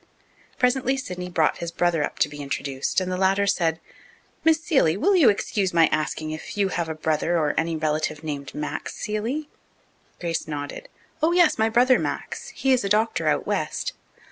Presently Sidney brought his brother up to be introduced, and the latter said: "Miss Seeley, will you excuse my asking if you have a brother or any relative named Max Seeley?" Grace nodded. "Oh, yes, my brother Max. He is a doctor out west."